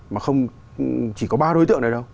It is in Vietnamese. mà không chỉ có ba đối tượng này đâu